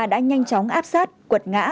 đã nhanh chóng áp sát quật ngã